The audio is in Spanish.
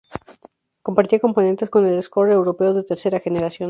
Compartía componentes con el Escort europeo de tercera generación.